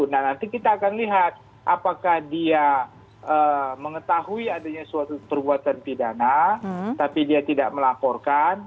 nah nanti kita akan lihat apakah dia mengetahui adanya suatu perbuatan pidana tapi dia tidak melaporkan